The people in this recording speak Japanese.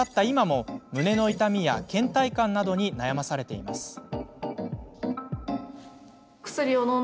今も胸の痛みや、けん怠感などに悩まされています。